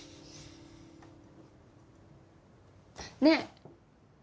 ねえ！